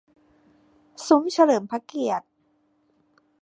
ซุ้มเฉลิมพระเกียรติ